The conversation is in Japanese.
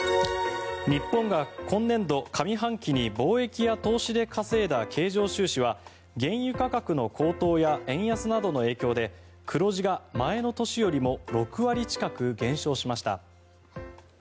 日本が今年度上半期の貿易や投資で稼いだ経常収支は、原油価格の高騰や円安などの影響で黒字が前の年よりも６割近く減少しました。